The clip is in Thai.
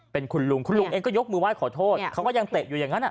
เป็นคุณลุงคุณลุงเองก็ยกมือไห้ขอโทษเขาก็ยังเตะอยู่อย่างนั้น